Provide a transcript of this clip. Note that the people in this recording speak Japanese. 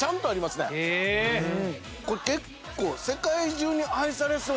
これ結構。